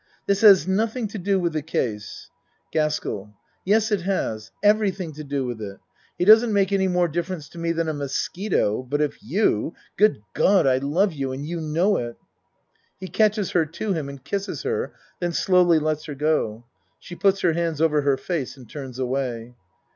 This has nothing to do with the case. GASKELL Yes, it has. Everything to do with it. He doesn't make any more difference to me than a mosquito but if you good God, I love you and you know it. (He catches her to him and kisses her, then slowly lets her go. She puts her hands over her face and turns away.)